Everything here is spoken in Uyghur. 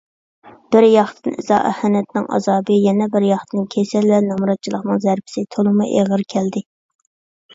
بىرياقتىن ئىزا - ئاھانەتنىڭ ئازابى، يەنە بىرياقتىن كېسەل ۋە نامراتچىلىقنىڭ زەربىسى تولىمۇ ئېغىر كەلدى.